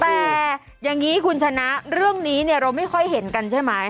แต่อย่างนี้คุณชนะเรื่องนี้เนี่ยเราไม่ค่อยเห็นกันใช่ไหม